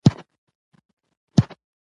د بېلګې په توګه